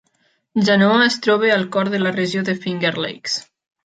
Genoa es troba al cor de la regió de Finger Lakes.